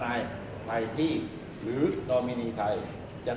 มันเป็นสิ่งที่เราไม่รู้สึกว่า